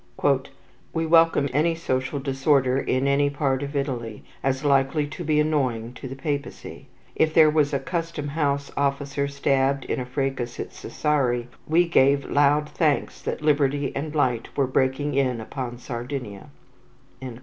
"We welcomed any social disorder in any part of Italy, as likely to be annoying to the Papacy. If there was a custom house officer stabbed in a fracas at Sassari, we gave loud thanks that liberty and light were breaking in upon Sardinia."